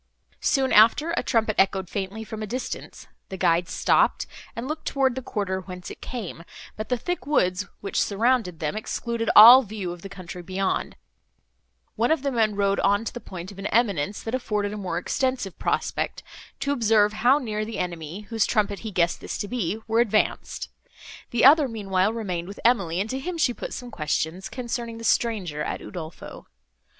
Soon after, a trumpet echoed faintly from a distance; the guides stopped, and looked toward the quarter whence it came, but the thick woods, which surrounded them, excluding all view of the country beyond, one of the men rode on to the point of an eminence, that afforded a more extensive prospect, to observe how near the enemy, whose trumpet he guessed this to be, were advanced; the other, meanwhile, remained with Emily, and to him she put some questions, concerning the stranger at Udolpho.